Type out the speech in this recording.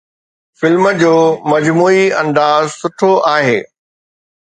film جو مجموعي انداز سٺو آهي